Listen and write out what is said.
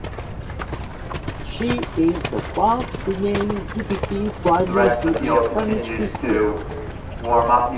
She is the first female deputy prime minister in Spanish history.